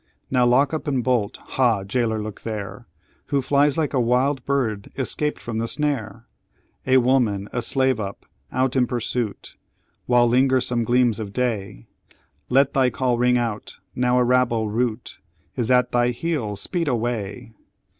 Now lock up and bolt! Ha, jailor, look there! Who flies like a wild bird escaped from the snare? A woman, a slave up, out in pursuit. While linger some gleams of day! Let thy call ring out! now a rabble rout Is at thy heels speed away!